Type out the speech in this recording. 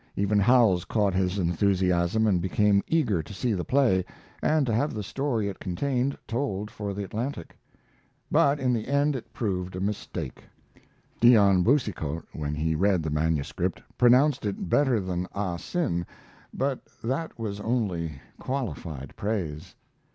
Even Howells caught his enthusiasm and became eager to see the play, and to have the story it contained told for the Atlantic. But in the end it proved a mistake. Dion Boucicault, when he read the manuscript, pronounced it better than "Ah Sin," but that was only qualified praise.